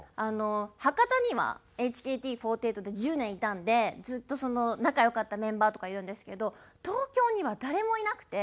博多にはＨＫＴ４８で１０年いたんでずっと仲良かったメンバーとかいるんですけど東京には誰もいなくて。